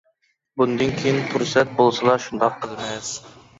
بۇندىن كىيىن پۇرسەت بولسىلا شۇنداق قىلىمىز!